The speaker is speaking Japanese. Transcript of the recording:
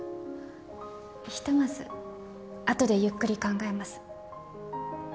ひとまず後でゆっくり考えます。